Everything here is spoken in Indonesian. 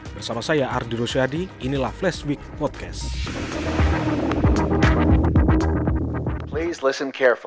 bersama saya ardy rosyadi inilah flash week podcast